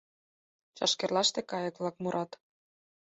Чашкерлаште кайык-влак мурат.